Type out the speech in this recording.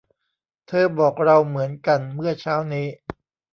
เธอบอกเราเหมือนกันเมื่อเช้านี้